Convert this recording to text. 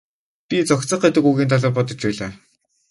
Би зохицох гэдэг үгийн талаар бодож байлаа.